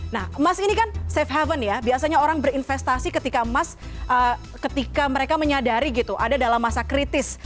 nah mas ini kan safe haven ya biasanya orang berinvestasi ketika emas ketika mereka menyadari gitu ada dalam masa kritis